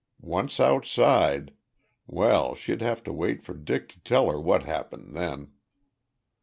Once outside well, she'd have to wait for Dick to tell her what happened then.